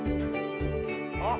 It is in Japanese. あっ！